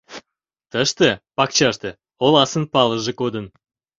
Тыште, пакчаште, Оласын палыже кодын.